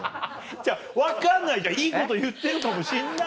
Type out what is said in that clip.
違う分かんないじゃんいいこと言ってるかもしんないじゃん。